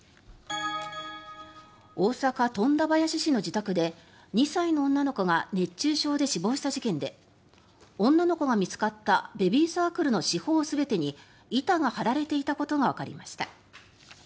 大阪・富田林市の自宅で２歳の女の子が熱中症で死亡した事件で女の子が見つかったベビーサークルの四方全てに板が張られていたことがわかりました。